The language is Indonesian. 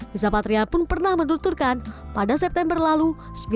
rizal patria pun pernah menunturkan pada september lalu